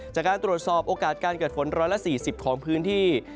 จากการตรวจสอบโอกาสการเกิดฝน๑๔๐ของพื้นที่